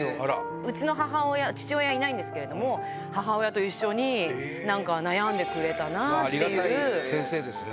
うちの母親、父親いないんですけども、母親と一緒に悩んでくありがたい先生ですね。